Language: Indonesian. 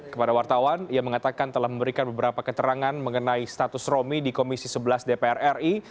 kepada wartawan ia mengatakan telah memberikan beberapa keterangan mengenai status romi di komisi sebelas dpr ri